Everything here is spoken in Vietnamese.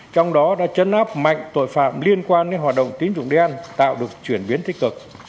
trong đó đã chấn áp mạnh tội phạm liên quan đến hoạt động tín dụng đen tạo được chuyển biến tích cực